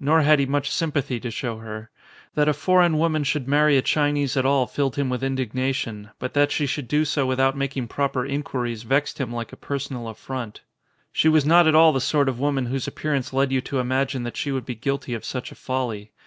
Nor had he much sympathy to show her. That a foreign woman should marry a Chinese at all filled him with indignation, but that she should do so without making proper inquiries vexed hint 117 ON A CHINESE S C K E E N like a personal affront. She was not at all the sort of woman whose appearance led you to imagine that she would be guilty of such a folly.